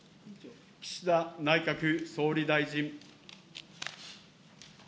岸田内閣総理大臣。